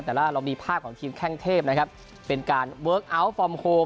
แต่ว่าเรามีภาพของทีมแค่งเทพเป็นการเวิร์คออะว์ฟอร์มโคม